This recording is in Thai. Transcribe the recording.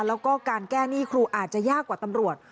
แล้วก็การแก้หนี้ครูอาจจะยากกว่าตำรวจ